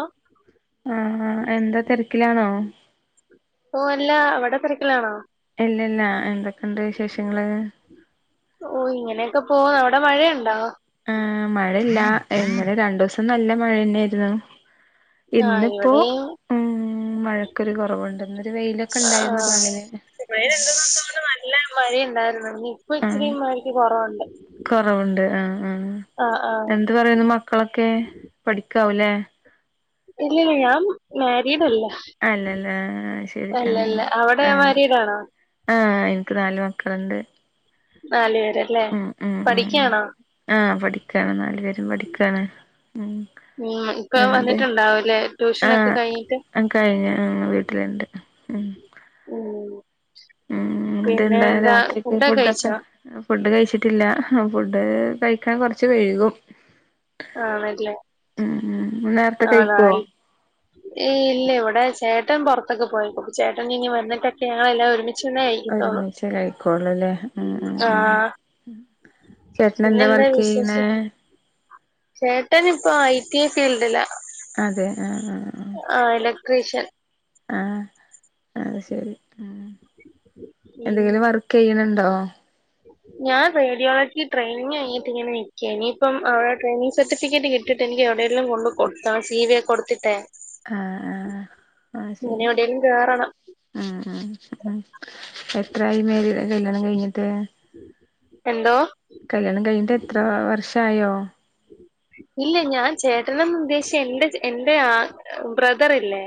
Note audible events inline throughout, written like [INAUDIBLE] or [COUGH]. ഓ ആഹ് ആഹ് എന്താ തിരക്കിലാണോ? ഒഹ് അല്ല അവിടെ തിരക്കിലാണോ? ഇല്ല ഇല്ല എന്തൊക്കുണ്ട് വിശേഷങ്ങള് ഓഹ് ഇങ്ങനെയൊക്കെ പോന്ന അവിടെ മഴയുണ്ടോ? ആഹ് മഴയില്ല ഇന്നലെ രണ്ടു ദിവസം നല്ല മഴ തന്നെ എർന്നു ആഹ് ഇവിടെയും ഇന്നിപ്പോഉംമഴക്കൊരുകുറവുണ്ട് ഇന്നൊരു വെയിലൊക്കെ ഉണ്ടായിരുന്നു പകല് മഴ എന്തിവസണ്ട് നല്ല മഴ ഉണ്ടായിരുന്നുല്ല ആഹ് ഇച്ചരിമയക്ക് കൊറവുണ്ട് കൊറവുണ്ട് ആഹ് ആഹ് ആഹ് ആഹ് എന്ത് പറയുന്നു മക്കളൊക്കെ പഠിക്കാവൂലെ? ഇല്ലല്ല ഞാൻ മാരീഡല്ല അല്ലല്ല ആഹ്ശരി ആഹ് അവിടെ ആഹ് മാരീഡാണോ ആഹ് എനിക്ക് നാല് മക്കളുണ്ട് നാലു പേരല്ലേ ഉം ഉം ഉം പഠിക്കണോ ആഹ് പഠിക്കാണ് നാലു പേരും പഠിക്കാണ് ഉം ഉം ഇപ്പ ആ അതെ വന്നിട്ടുണ്ടാവൂലേ? ട്യൂഷനൊക്കെ കഴിഞ്ഞിട്ട് ആഹ് കഴിഞ്ഞ ഉം വീട്ടിലുണ്ട് ഉം ഉം ഉം പിന്നെ അതെന്താ എന്താ രാത്രിക്ക് ഫുഡൊക്കെ കഴിച്ചോ? ഫുഡ് കഴിച്ചിട്ടില്ല ഫുഡ് കഴിക്കാൻ കുറച്ച് വൈകും ആണല്ലേ ഉം ഉംനേരത്തെ കഴിക്കോ ഈഇല്ലഇവിടെചേട്ടൻപുറത്തൊക്കെ പോയിക്കപ്പൊ ചേട്ടൻ ഇനി വന്നിട്ടൊക്കെ ആളെല്ലാം ഒരുമി ഒരു മിച്ചേ കഴിക്കോളല്ലേ ഉം ഉം ഉം ആഹ് ചേട്ടന എന്താ പിന്നെന്താ വർക്ക് ചെയ്യണേ വിശേഷം ചേട്ടൻ ഇപ്പൊ ഐ ടി എ ഫീൽഡില അതെ ആഹ് ആഹ് ആ ഇലക്ട്രീഷ്യൻ ആഹ് അത് ശരി ഉം അഹ്എന്തെങ്കിലും വർക്ക് ചെയ്യ്ണ് ണ്ടോ? ഞാൻ റേഡിയോളജി ട്രയിനിങ് കഴിഞ്ഞിട്ട് ഇങ്ങനെ നിക്കേനി ഇപ്പം അ ട്രെയിനിങ് സർട്ടിഫിക്കറ്റ് കി ഇട്ട്ട്ടെനിക്ക് അവിടെയെല്ലാം കൊണ്ട് കൊട്ത്ത സി വി യെ കൊട്ത്തിട്ടെ ആഹ് ആഹ് ഇനി എവിടെങ്കിലും കേറണം ഉം ഉം ഉം എത്ര ആയിമേകല്യാണം കഴിഞ്ഞിട്ട്? എന്തോ? കല്യാണം കഴിഞ്ഞിട്ട് എത്ര വർഷായോ? ഇല്ല ഞാൻ ചേട്ടനന്ന് ഉദ്ദേശിച്ചെ എന്റെ എൻറെ ആ ബ്രദറില്ലേ?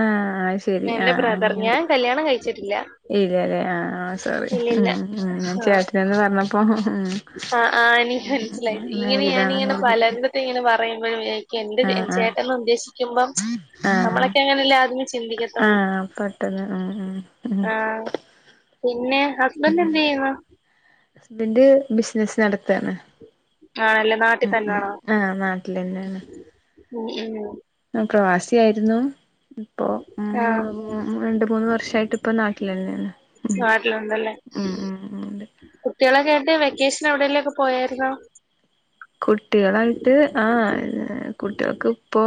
ആഹ് അത് ശ എന്റെ ബ്രദർ ഞാൻ കല്യാണം കഴിച്ചിട്ടില്ല ഇല്ലല്ലേ ആഹ് ആഹ് സോറി ഇല്ലില്ല ഉം ഉം ഞാൻ ആഹ് ചേട്ടനന്ന് പറഞ്ഞപ്പോ ഉം ആഹ് ആഹ് എനിക്ക് മനസ്സിലായത് ഇങ്ങനെ മാരീഡാണെന്ന് ഞാനിങ്ങനെ കരുതി പലരുടെ അടുത്ത് ഇങ്ങനെ പറയുമ്പയും എന്ത് ആഹ് ആഹ് ചേട്ടന്ന് ഉദ്ദേശിക്കുമ്പം ആഹ് നമ്മളൊക്കെ ഇങ്ങനെല്ലെആദ്യമേ ചിന്തിക്ക ആഹ് പെട്ടെന്ന് ഉം [UNINTELLIGIBLE] ഉം ഉം ആഹ് പിന്നെ ഹസ്ബൻഡ് എന്ത് ചെയ്യുന്നു? ഹസ്ബന്റ് ബിസിനസ് നടത്താണ് ആണല്ലം ഉം ഉം ആഹ് നാട്ടിലെന്നേണ് ഉം ഉം പ്രവാസി ആയിരുന്നു ഇപ്പോ ഉം ആഹ് [UNINTELLIGIBLE] ഉം രണ്ട് മൂന്ന് വർഷായിട്ട് ഇപ്പ നാട്ടിലെന്നേണ് ഉം ഉം ഉം ഉം ഇണ്ട് കുട്ടിയാളെകേട്ട് വെക്കേഷൻ എവിടെലൊക്കെ പോയാർന്നോ? കുട്ടിളായിട്ട് ആഹ് കുട്ടിയാൾക്ക് ഇപ്പൊ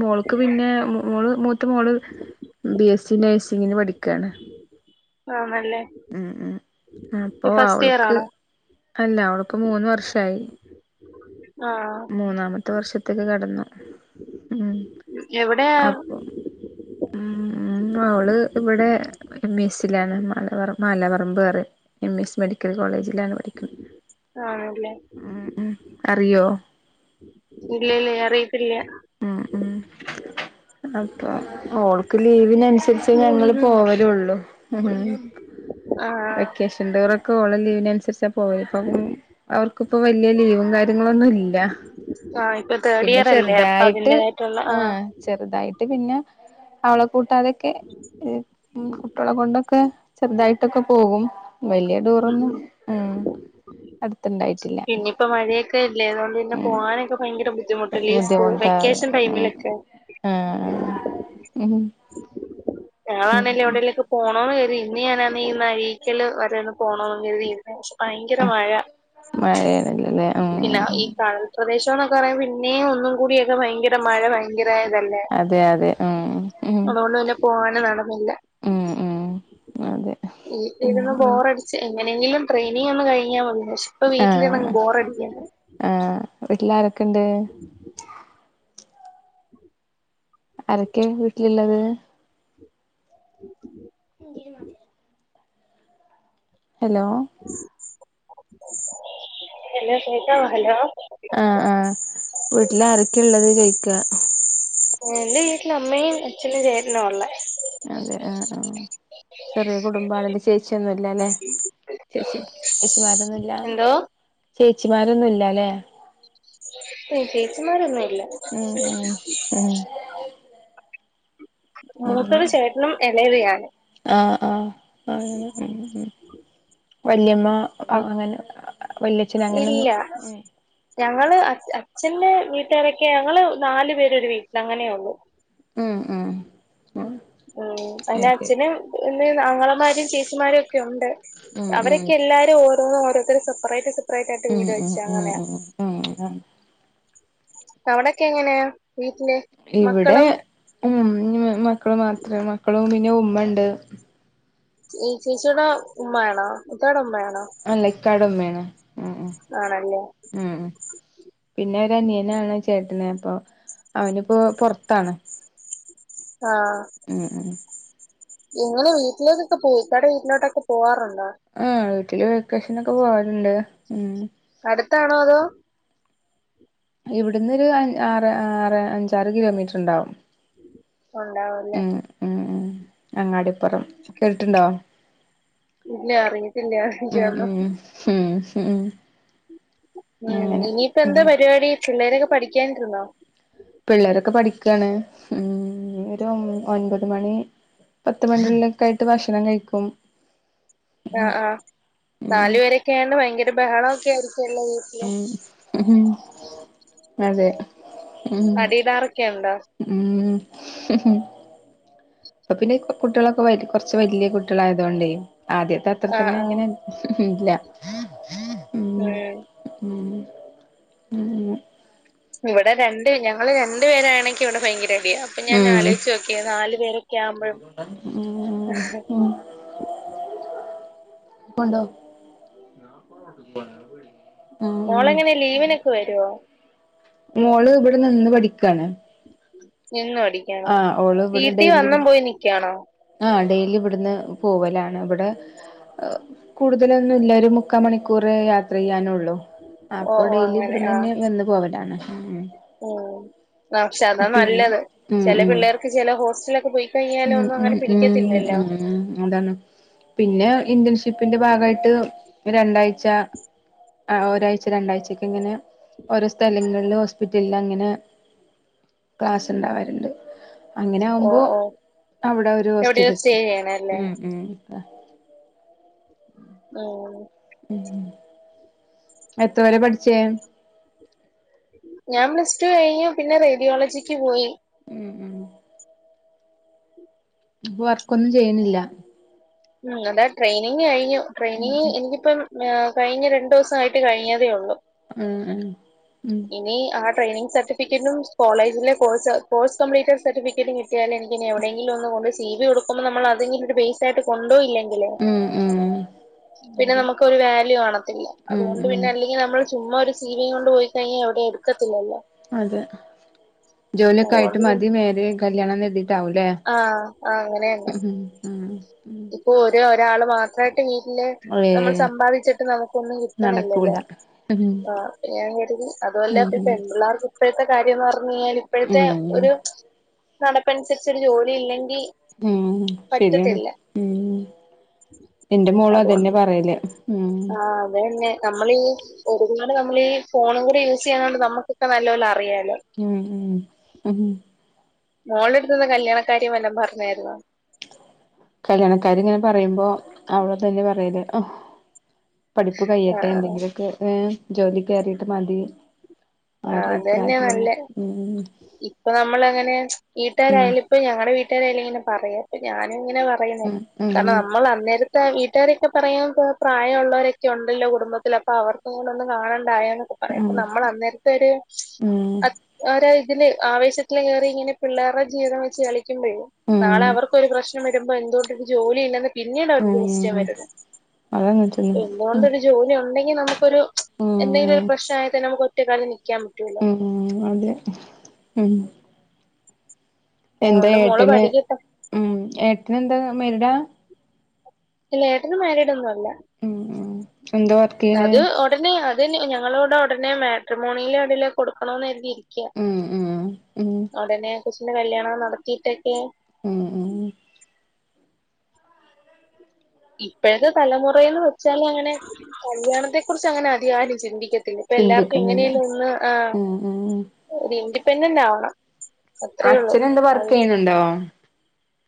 മോൾക്ക് പിന്നെ മോ മോള് മൂത്ത മോള് ബി എസ് സി നഴ്സിങ്ങിന് പഠിക്കാണ്. ആണല്ലേ ഉം ഉം അപ്പോ ഫസ്റ്റ് ഇയർ അവൾക്ക് ആണോ അല്ല അവൾക്ക് മൂന്ന് വർഷായി ആഹ് മൂന്നാമ പത്ത് വർഷത്ത്ക്ക് കടന്നു ഉം എവിടെയാ അപ്പൊ ഉം ഉം അവള് ഇവിടെ എം ഇ എസ്സിലാണ് മാലാപറ മാലാപറമ്പ് അറിം എം ഇ എസ് മെഡിക്കൽ കോളേജിലാണ് പഠിക്ക് ആണല്ലേ ഉം അറിയോ ഇല്ല ല്ല അറിയത്തില്ല ഉം ഉം അപ്പൊ ഓൾക്ക് ലീവിനൻസർച്ച് ഞങ്ങള് പോവലൊള്ളു. [UNINTELLIGIBLE] ആഹ് വെക്കേഷൻ റ്റൂറൊക്കെ ഓളെ ലീവിനൻസർച്ചാ പോവല്. ഇപ്പം അവർക്ക് ക്ക് ഇപ്പം വലിയ ലീവും കാര്യങ്ങളൊന്നും ഇല്ല ആഹ് ഇപ്പൊ തേർഡ് പിന്നെ ഇയർ ചെർ അല്ലേ അപ്പൊ തായിട്ട് അതിന്റേതായിട്ടുള്ള ആഹ് ചെറുതായിട്ട് പിന്നെ അവളെ കൂട്ടാതെക്കെ ഹ് ഉം കുട്ടിയാളെ കൊണ്ടൊക്കെ ചെർതായിട്ടൊക്കെ പോകും വല്ല്യ ടൂറൊന്നും ഉം അട്ത്ത്ണ്ടായിട്ടില്ല. ഇപ്പൊ മഴൊക്കെല്ലേ അതുകൊണ്ട് പിന്നെ പോകാനൊക്കെ ഭയങ്കര ബുദ്ധിമുട്ടല്ലേ സ്‌കൂ ബുദ്ധിമുട്ടാറ് വെക്കേഷൻ ഉം ടൈമിലെക്കെ ആഹ് ആഹ് ഉം ഉം ഞങ്ങളാണല്ലേ എവിടേലൊക്കെ പോണോന്ന് കർതി ഇന്ന് ഞാനാ [UNINTELLIGIBLE] പോണോ കർതി ഇന്ന് ഭയങ്കര ആഹ് മഴ മഴയാണല്ലല്ലേ ഉം പിന്നെ ഈ കാൽ പ്രദേശം എന്നൊക്കെ പറയുമ്പോ പിന്നെയും ഒന്നും കൂടിയൊക്കെ ഭയങ്കര മഴ ഭയങ്കരതല്ലേ അതെ അതെ ഉം ഉം അതുകൊണ്ട് പിന്നെ പോവാന് നടന്നില്ല ഉം ഉം അതെ ഉം ഇരുന്ന് ഉം ബോറടി എങ്ങനെങ്കിലും ട്രെനിങ് ഒന്ന് കഴിഞ്ഞാൽ മതി പക്ഷെ ഇപ്പോ വീട്ടിലി ആഹ് ബോർടിയാ ആഹ് വീട്ടിലാരൊക്കെ ഉണ്ട് [INAUDIBLE] ആരൊക്കെ വീട്ടിലുള്ളത് ഗീരു മാത്തില്ല ഹലോ ഉം [UNINTELLIGIBLE] ഹലോ കേകാവോ ഹലോ ആഹ് ആഹ് വീട്ടില ആരൊക്കെ ഉള്ളത് ചോയിക്ക എന്റെ വീട്ടില് അമ്മയും അച്ഛനും ചേട്ടനഉള്ളേ അതെ ആഹ് ആഹ് ചെറിയ കുടുംബാണന്റെ ചേച്ചിയൊന്നുംല്ലല്ലെ ചേച്ചി ചേച്ചിമാരൊന്നുംല്ല എന്തോ ചേച്ചിമാരൊന്നുമല്ലല്ലേ ചേച്ചിമാരൊന്നുംല്ല ഉം ഉം ഉം അതെ മൂത്തരു ചേട്ടനും ഇളയവയാണ് ആഹ് ആഹ് ആ വല്യമ്മ അങ്ങനെ വലിയച്ഛന അങ്ങനെയൊന്നും ആഹ് ഞങ്ങള് അച്ഛന്റെ വീട്ടുകാരൊക്കെ ഞങ്ങള് നാലു പേരരു വീട്ടിൽ അങ്ങനെ യാ ഇപ്പോ ഉം ഉം ഉം ഉം എന്റെ അയ്ശരി അച്ഛനും ഇ ങ്ങളമാരും ചേച്ചിമാരും ഒക്കെ ഉണ്ട് ഉം ഉം അവരൊക്കെ എല്ലാവാരും ഓരോന്നും ഓരോത്തർ സെപ്പറേറ്റ പട്ടായിട്ട് ഉം വീട് വെച്ച ഉം അങ്ങനെയ ഉം ഉം ഉം അവിടൊക്കെ എങ്ങനെയാ വീട് ല് ഇവിടെ ഉ മക്കള് മാത്രേ മക്കളും പിന്നെ ഉമ്മ ഉണ്ട് ചേച്ചിയടെ ഉമ്മ്യാണാ ഇത്താടെ ഉമ്മയണോ അല്ല ഇക്കാടെ ഉമ്മയാണ് [UNINTELLIGIBLE] ആണല്ലേ ഉം പിന്നെ ഒരുനിയനാണ് ചേട്ടനെ അപ്പൊ അവനിപ്പോ പൊറത്താണ് ആഹ് ഉം ഉം ഇങ്ങള് വീട്ടിലേക്കൊക്ക പോവും ഇക്കാടെ വീട്ടിലോട്ടൊക്കെ പോവാാറുണ്ടോ ആഹ് വീട്ടില് വെക്കേഷനെക്കെ പോവലുണ്ട് ഉം അടുത്താണോ അതോ ഇവിടുന്നൊരു അഞ് ആറ് ആറ് അഞ്ചാറ് കിലോമീറ്റർ ഇണ്ടാവും ഉണ്ടാവല്ലേ ഉം ഉം അങ്ങാടിപ്പുറം കേട്ട്ട്ടുണ്ടോ ഇല്ല അറിയത്തില്ല ഉം ചോദിച്ചൊന്നും ഉം ഉം ഉം അങ്ങനെ ഇനിയിപ്പോ എന്താ ഉം പരിപാടി പിള്ളേരൊക്കെ പഠിക്കാനിരു പിള്ളേരൊക്കെ പഠിയ്ക്കണ് ഇമ് ഒരു ഒൻപത് മണി പത്ത് മണിടെ ഉള്ളിലായോക്കെആയിട്ട് ഭക്ഷണം കഴിക്കും ആഹ് ആഹ് ഉം നാല് പേരൊക്കെ ആയോണ്ട് ഭയങ്കര ബഹളക്കെ ആയിരിക്കോല്ലോ വീട്ടില് ഉം ഉം അതെ ഉം അടിടാറൊക്കെ ഉണ്ടോ ഉം ഇപ്പൊ പിന്നെ! ! ! കുട്ടികളൊക്കെ! ! ! കൊറച്ച് വല്യ കുട്ട്യാളായതുകൊണ്ട് ആദ്യത്തെ അത്ര ആ തന്നെ ആ അങ്ങനെ ഉം ഇല്ല ഉം [UNINTELLIGIBLE] ഉം ഉം ഉം ഇവിടെ രണ്ട് ഞങ്ങള് രണ്ടു പേരാണെങ്കി ഇവിടെ ഭയങ്കര അടിയാ പിന്നെ ഞാൻ ഉം ആലോയ്ച്ചോക്കി നാലു പേരൊക്കെ ആവുമ്പോഴും പൊണ്ടോ മോളെങ്ങനെ ലീവിനൊക്കെ വരുവോ മോള് ഇവിടെ നിന്ന് പഠിക്കാണ് നിന്നു പടിക്കണോ ആഹ് വീട്ടീ വന്നും പോയി നിക്കാണോ ആ ഡെയിലി ഇവിടുന്ന് പോവലാണ് ഇവിടെ കൂടുതലൊന്നുല്ല ഒരു മുക്കാ മണിക്കൂർ യാത്ര ചെയ്യാനുള്ളൂ ഓ അപ്പൊ ഓ ഡെയിലി അങ്ങനെ ഇവിട്ന്നന്നെ വന്ന് പോവലാണ് ഓ അ ക്ഷെ അതാ പിന്നെ നല്ലത് ഉം ചെലെ ഉം പിള്ളേർക്ക് ചെലെ ഹോസ്റ്റല്ലൊക്കെ പോയിക്കഴിഞ്ഞാലും ഉം ഒന്നും അങ്ങനെ ഉം ഉം പിടിക്കത്തില്ലല്ലോ അതാണ് പിന്നെ ഇന്റേൺഷിപ്പിന്റെ ഭാഗായിട്ട് രണ്ടാഴ്ച ആ ഒരാഴ്ച രണ്ടാഴ്ചൊക്കെ ഇങ്ങനെ ഓരോ സ്ഥലങ്ങളിൽ ഹോസ്പിറ്റലിൽ അങ്ങനെ ക്ലാസ് ഇണ്ടാവലുണ്ട് അങ്ങനെ ഓ ആവുമ്പോ ഓ അവിടെ ഒരു എവിടെയോ സ്റ്റേ ഹോസ്റ്റലിക്കും ചെയ്യണല്ലേ മ് മ് അ ആഹ് [INAUDIBLE] എത്തോരെ പഠിച്ചേ ഞാൻ പ്ലസ് ടു കഴിഞ്ഞ പിന്നെ റേഡിയോളജിക്ക് പോയി ഉം ഉം വർക്കൊന്നും ചെയ്യ്ണില്ല അങ്ങനെ ട്രെയിനിങ് കഴിഞ്ഞു ട്രെയിനി ഇനിപ്പം ആ കഴിഞ്ഞ രണ്ടു ദിവസയിട്ട് കഴിഞ്ഞതേ ഉള്ളൂ ഉം ഉം ഇനി ആ ട്രയിനിങ് സർട്ടിഫിക്കറ്റും കോളേജിലെ കോഴ്സ് കോഴ്സ് കംപ്ലീറ്റ് സർട്ടിഫിക്കറ്റും കി- ഞാൻ എന്തിനെ എവിടെയങ്കിലും ഒന്ന് കൊണ്ട് സി വി കൊടുക്കുമ്പോ നമ്മള് അതെങ്കിലുംഒരു ബേസ് ആയിട്ട് കൊണ്ടോകില്ലേ ഉം ഉം പിന്നെ അതെ നമുക്കൊരു വാല്യൂ കാണത്തില്ല ഉം അതുകൊണ്ട് ഉം പിന്നെ അല്ലെങ്കിൽ നമ്മള് ചുമ്മാ ഒരു സീ വീ കൊണ്ട് പോയി കഴിഞ്ഞാൽ എവിടേം എടുക്കത്തില്ലല്ലോ അതെ ജോലിയൊക്കെ ആയിട്ട് അതുകൊണ്ട് മതി മേരെ കല്യാണംന്ന് കരുതിയിട്ടാവുംല്ലേ ആഹ് ആ അങ്ങനെന്നെ ഉം ഉം ഓ ഒരേ ഒരാള് മാത്- ത്രായിട്ട് വീട്ടിലെ നമ്മള് ഏഹ് സമ്പാദിച്ചിട്ട് നമുക്കൊന്നും നടക്കൂല കിട്ടണില്ലല്ലോ ഉം ആ ഞാൻ കരുതി അതുല്ല ഉം പ്പ ഉം പെൺ പിള്ളാർക്ക് ഇപ്പോഴത്തെ കാര്യംന്ന് പറഞ്ഞു ഇപ്പത്തെ കാര്യന്ന് പറഞ്ഞഴിഞ്ഞാല് ഇപ്പോഴത്തെ ഉം ഒരു നടപ്പനുസരിച്ച് ഒരു ജോലി ഇല്ലെങ്കി ഉം ശരിയാണ് ഉം ഉം എന്റെ മോളും അതെന്നെ പറയല് ഉം ആ അതന്നെ നമ്മളീ- ഒരുപാട് നമ്മൾ ഈ ഫോൺ കൂടി ഒട്ങ്ങല് നമ്മളീ ഫോണു കുടിയൂസ് - ചെയ്യുന്നൊണ്ട് നമുക്കൊക്കെ നല്ലോലെ റിയാലോ ഉം ഉം ഉ മോളെടുത്തിന് കല്യാണക്കാര്യം വല്ലതും പറഞ്ഞായിരുന്നോ കല്യാണക്കാര്യങ്ങനെ പറയുമ്പോ അവളിതന്നെ പറയല് അ പഠിപ്പ് കയ്യട്ടെ ആഹ് എന്തെങ്കിലൊക്കെ ഏ ജോലി കയറിട്ട് മതി ആ ഒരു അത്തന്നെ അഭിപ്രായത്തിലന്നെ നല്ലെ ഉം ഇപ്പൊ നമ്മൾ അങ്ങനെ ഉം വീട്ടാരായാലും - ഇപ്പൊഞ്ഞങ്ങളെ വീട്ടാരിങ്ങനെ പറയാ ഇപ്പൊ ഞാനും ഇങ്ങനെ പറയണ് ഉം കാരണം ഉം നമ്മൾ അന്നേരം അന്നേരത്തെ ത്താ വീട്ടാരെക്കെ പറയും പ്രായള്ളോരൊക്കെ ഉണ്ടല്ലൊകുടുംബത്തിൽ അപ്പൊ അവർക്കും കൂടി ഒന്ന് കാണണ്ടായൊ പറയാ അപ്പൊ നമ്മളന്നേർത്തൊര് ഉം [UNINTELLIGIBLE] അവരാ ഇതിന്റെ ആവേശത്തിൽ ഓരോ ഇതിന് ആവേഷത്തില്കയറി ഇങ്ങനെ പിള്ളേരെജീവിതം വെച്ച് കളിക്കുബെഴ് നാളെ ഉം അവർ ഒരു പ്രശ്നം വരുമ്പോ എന്തൊണ്ട് ഒരു ജോലി ഇല്ലന് ഒ ഉം പിന്നേണൊരു. കൊസ്റ്റൻ ഉം വരുന്നത് അതങ്ങനെ തന്നെ ഉം എന്തുകൊണ്ടൊരു - ജോലി ഉണ്ടെങ്കി നമുക്കൊരു എന്തെങ്കിലും ഒരു ഉം പ്രശ്നായിട്ട് നമുക്ക് ഒറ്റ കാലി നിക്കാൻ പറ്റൂ ഉം അതെ ഉം എന്താ അതുകൊണ്ട് മോള് ഏട്ടന് പഠിക്കട്ടെ. ഉം ഏട്ടന് എന്താ മെരടാ അല്ലഏട്ടന് മാര്യടൊന്നും അല്ല ഉം ഉം എന്താ വര് അത് ഒടനെ അത് ഞങ്ങളോടെ ഒടനെ മാട്രമോണിയിലതിലൊ കൊടുക്കണന്ന് എരുതി ക്യാ. ഉം ഉം ഉം അതെന്നെ കൊച്ചിന്റെ കല്യാണൊനടത്തിട്ടൊക്കെ ഉഉം ഇപ്പോഴത്തെ തലമുറയന്ന് വെച്ചാൽ അങ്ങനെ കല്യാണത്തെ കുറിച്ച് അങ്ങനെ അധികാരും ചിന്തിക്കത്തി ഇനിപ്പോ എല്ലാർക്കും ചിന്തിക്കുന്നില്ല എങ്ങനെലും ഒന്ന് ആ ഉം ഉം ഒരു ഇൻഡിപെൻഡന്റ് ണ്ടാവണം അത്രേ ഉള്ളു അഹ് ഇണ്ടോ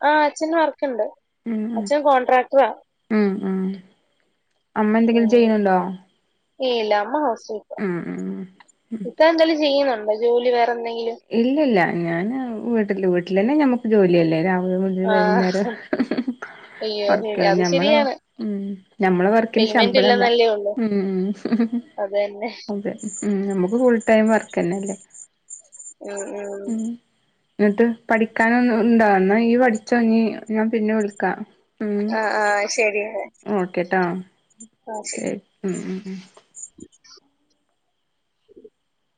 ആ അച്ഛൻ വർക്കുണ്ട് ഉം ഉം അച്ഛൻ കോൺട്രാക്ടറാ ഉം ഉം അമ്മ എന്തെങ്കിലും ചെയ്യുന്നുണ്ടോ ഏ ഏല അമ്മാ ഹൗസ് വൈഫാ ഉം ഉം ഇത്ത എന്തെലും ചെയ്യുന്നുണ്ടോ ജോലി വേറെ ന്തെങ്കിലും ഇല്ലില്ല ഞാന് വീട്ടില് വീട്ടില് തന്നെ ഞമ്മക്ക് ജോലിയല്ലേരാ [UNINTELLIGIBLE] നിന്ന് ആ വൈകുന്നേരം അയ്യോ ശരി അത് വർക്കയിഞ്ഞ്ഞമ്മള് ശരിയാണ് ഞമ്മള വക്കിന് പേയ്മെന്റ് ശമ്പളല്ല ഉം അതന്നെ അതെ നമുക്ക് ഫുൾ ടൈം വർക്കന്നെല്ലേ ഉം ഉം എന്നിട്ട് പഠിക്കാനൊന്ന് ഇണ്ടൊഎന്ന ഇയ് പഠിച്ചോ ഇഞ് ഞാ പിന്നെ വിളിക്കാം ഉം ആ ആ ശരി ഓ കേട്ടാ ഓ ഉം [INAUDIBLE]